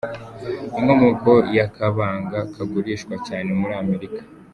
Inkomoko y’akabanga kagurishwa cyane muri Amerika.